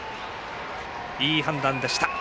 いい判断でした。